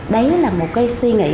đấy là một cái suy nghĩ